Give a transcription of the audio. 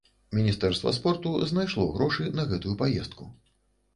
Міністэрства спорту знайшло грошы на гэтую паездку.